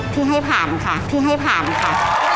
ที่ให้ผ่านค่ะที่ให้ผ่านค่ะ